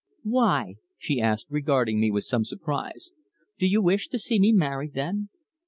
"Why?" she asked, regarding me with some surprise. "Do you wish to see me married, then?"